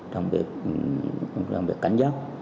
trong việc cảnh giác